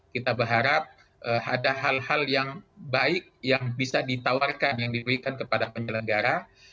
kita berharap ada hal hal yang baik yang bisa ditawarkan yang diberikan kepada penyelenggara